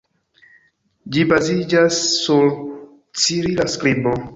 Ĝi baziĝas sur cirila skribo.